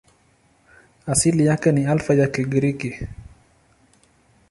Asili yake ni Alfa ya Kigiriki.